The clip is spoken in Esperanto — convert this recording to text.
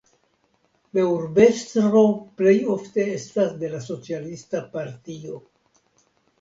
La urbestro plej ofte estas de la socialista partio.